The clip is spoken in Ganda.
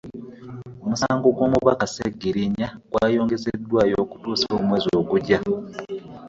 Omusango gw'omubaka Ssegirinnya gwayongezeddwayo okutuusa omwezi ogujja.